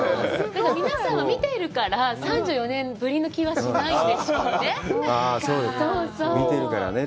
でも、皆さんは見ているから、３４年ぶりの気がしないんでしょうね。